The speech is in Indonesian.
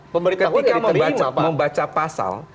ketika membaca pasal